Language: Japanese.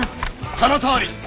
そのとおり。